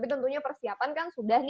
tapi tentunya persiapan kan sudah nih